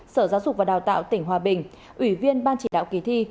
sở giáo dục và đào tạo tỉnh hòa bình ủy viên ban chỉ đạo kỳ thi